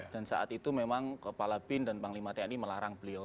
dan saat itu memang kepala bin dan panglima tni melarang beliau